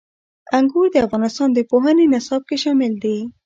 انګور د افغانستان د پوهنې نصاب کې شامل دي.